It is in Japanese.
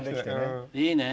いいね。